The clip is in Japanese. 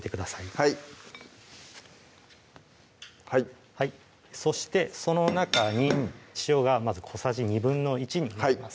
はいそしてその中に塩がまず小さじ１／２になります